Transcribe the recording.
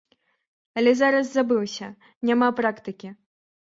Але зараз забыўся, няма практыкі.